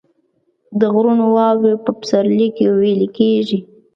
د غرونو واورې په پسرلي کې ویلې کیږي